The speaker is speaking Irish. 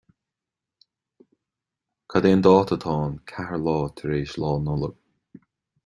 Cad é an dáta atá ann ceathair lá tar éis Lá Nollag?